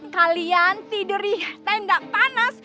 kalian tidur di tendak panas